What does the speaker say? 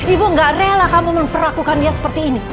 ibu gak rela kamu memperlakukan dia seperti ini